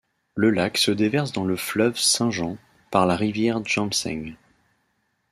Le lac se déverse dans le fleuve Saint-Jean par la rivière Jemseg.